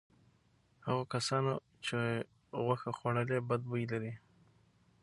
هغو کسانو چې غوښه خوړلې بد بوی لري.